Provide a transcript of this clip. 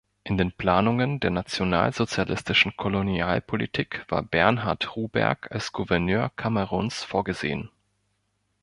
In den Planungen der nationalsozialistischen Kolonialpolitik war Bernhard Ruberg als Gouverneur Kameruns vorgesehen.